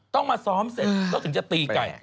ต้องมาซ้อมเสร็จก็ถึงจะตีไก่